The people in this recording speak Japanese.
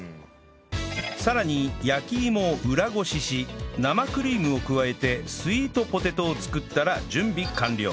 さらに焼き芋を裏ごしし生クリームを加えてスイートポテトを作ったら準備完了